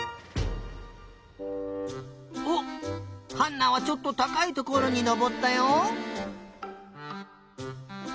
おっハンナはちょっとたかいところにのぼったよ。